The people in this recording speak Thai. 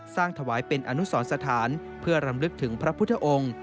ถวายเป็นอนุสรสถานเพื่อรำลึกถึงพระพุทธองค์